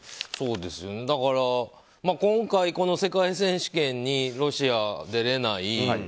だから、今回この世界選手権にロシアが出れない。